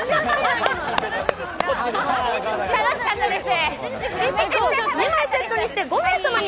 楽しかったです。